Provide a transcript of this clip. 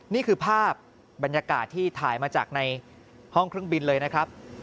นี่คือภาพบรรยากาศที่ถ่ายมาจากในห้องเครื่องบินเลยนะครับ